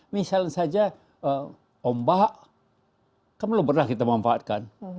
misal saja ombak kan belum pernah kita manfaatkan